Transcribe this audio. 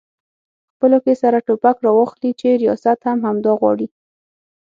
خپلو کې سره ټوپک راواخلي چې ریاست هم همدا غواړي؟